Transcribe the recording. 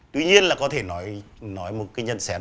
tuy nhiên có thể nói một nhân sách rất đơn giản